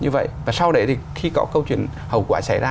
và sau đấy thì khi có câu chuyện hậu quả xảy ra